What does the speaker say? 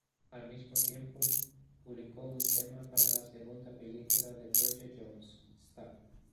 Al mismo tiempo, publicó un tema para la segunda película de Bridget Jones, "Stop".